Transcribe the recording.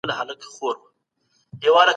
خلګو ولي احمد شاه ابدالي ته بابا ویل؟